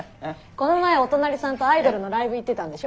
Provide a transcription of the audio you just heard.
この前お隣さんとアイドルのライブ行ってたんでしょ？